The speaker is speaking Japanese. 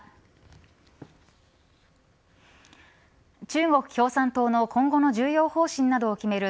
中国共産党の今後の重要方針などを決める